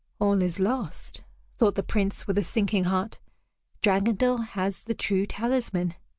"All is lost," thought the Prince with a sinking heart; "Dragondel has the true talisman."